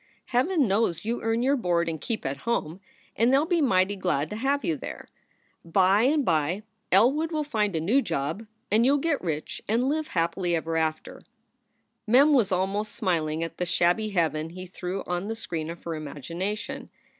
Heaven knows you earn your board and keep at home, and they ll be mighty glad to have you there. By and by Elwood will find a new job, and you ll get rich and live happily ever after " Mem was almost smiling at the shabby heaven he threw on the screen of her imagination.